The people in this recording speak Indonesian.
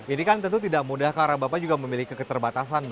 ini kan tentu tidak mudah karena bapak juga memiliki keterbatasan